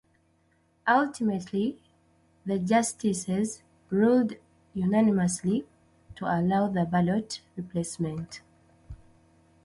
Ultimately, the justices ruled unanimously to allow the ballot replacement.